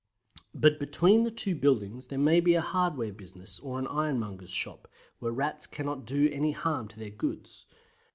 But between the two buildings there may be a hardware business or ironmonger's shop, where Rats cannot do any harm to their goods.